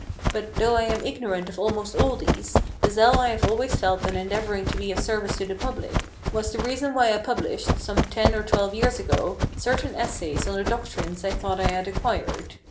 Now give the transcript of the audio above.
But, though I am ignorant of almost all these, the zeal I have always felt in endeavouring to be of service to the public, was the reason why I published, some ten or twelve years ago, certain Essays on the doctrines I thought I had acquired.